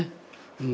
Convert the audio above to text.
うん。